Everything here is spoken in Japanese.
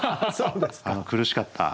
あの苦しかった。